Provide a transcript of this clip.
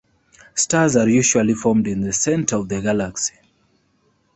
Stars are usually formed in the center of the galaxy.